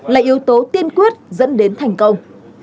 là yếu tố tiên quyết dẫn đến thành công